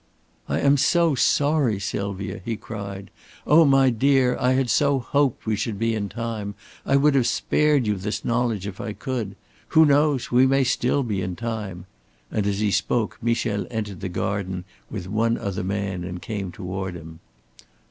"I am so sorry, Sylvia," he cried. "Oh, my dear, I had so hoped we should be in time. I would have spared you this knowledge if I could. Who knows? We may be still in time," and as he spoke Michel entered the garden with one other man and came toward him.